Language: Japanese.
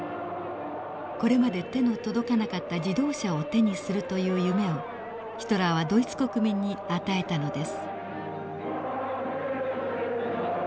これまで手の届かなかった自動車を手にするという夢をヒトラーはドイツ国民に与えたのです。